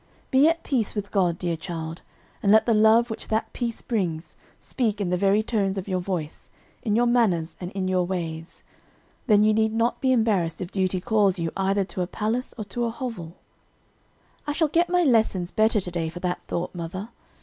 "Be at peace with God, dear child, and let the love which that peace brings, speak in the very tones of your voice, in your manners, and in your ways. Then you need not be embarrassed if duty calls you either to a palace or to a hovel." "I shall get my lessons better to day for that thought, mother.